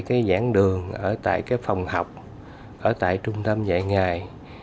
ở tại cái giảng đường ở tại cái phòng học ở tại trung tâm dạy ngài